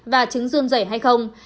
và chứng dung dẩy hay không